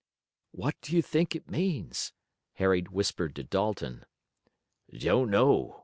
"What do you think it means?" Harry whispered to Dalton. "Don't know.